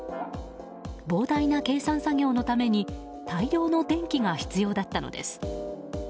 膨大な計算作業のために大量の電気が必要だったのです。